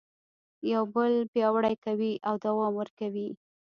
یو بل پیاوړي کوي او دوام ورکوي.